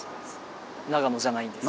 長野じゃないんです。